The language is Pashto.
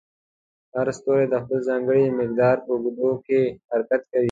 هر ستوری د خپل ځانګړي مدار په اوږدو کې حرکت کوي.